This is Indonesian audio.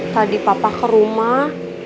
tadi papa ke rumah